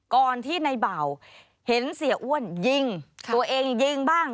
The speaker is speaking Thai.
ก่อนที่ในเบาเห็นเสียอ้วนยิงตัวเองยิงบ้าง